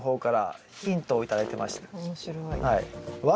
面白い。